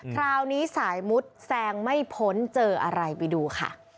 คราวนี้สายมุดแซงไม่พ้นเจออะไรไปดูค่ะ